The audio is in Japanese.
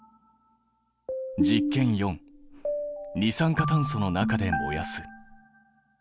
実験４二酸化炭素の中で燃やす。